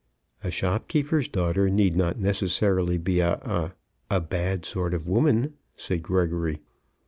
"A shopkeeper's daughter need not necessarily be a a a bad sort of woman," said Gregory.